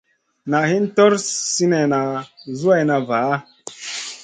Naʼ hin ɗor sinèhna suwayna vaʼa.